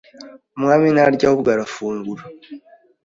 Umwami ntarya ahubwo arafugura